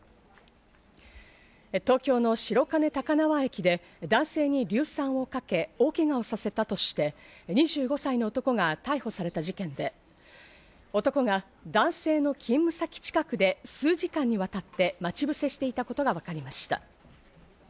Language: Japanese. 東京の白金高輪駅で男性に硫酸をかけ、大けがをさせたとして２５歳の男が逮捕された事件で、男が男性の勤務先近くで数時間にわたって待ち伏せしていたことがわかりました。